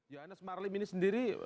johannes marlem ini sendiri